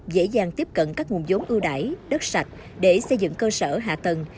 dễ dàng tiếp cận các nguồn giống ưu đại đất sạch để xây dựng cơ sở hạ tầng